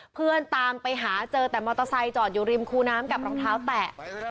เพื่อนตามไปหาเจอแต่มอเตอร์ไซค์จอดอยู่ริมคูน้ำกับรองเท้าแตะ